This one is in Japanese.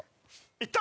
いった！